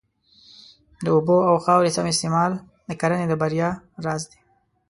د اوبو او خاورې سم استعمال د کرنې د بریا راز دی.